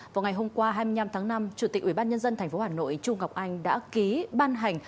vào ngày hôm qua hai mươi năm tháng năm chủ tịch ubnd tp hà nội trung ngọc anh đã ký ban hành